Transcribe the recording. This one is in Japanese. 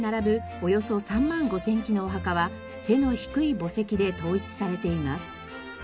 およそ３万５０００基のお墓は背の低い墓石で統一されています。